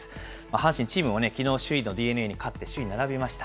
阪神、チームもね、きのう、首位のＤｅＮＡに勝って首位に並びました。